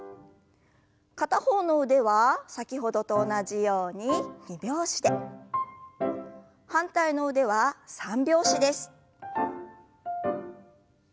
片方の腕は先ほどと同じように二拍子で反対の腕は三拍子です。